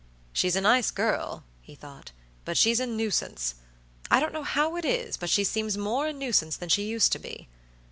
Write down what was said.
"She's a nice girl," he thought, "but she's a nuisance. I don't know how it is, but she seems more a nuisance than she used to be."